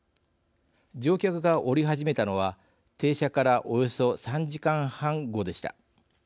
乗客が降り始めたのは、停車からおよそ３時間半後でした。